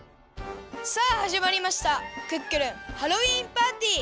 さあはじまりましたクックルンハロウィーンパーティー！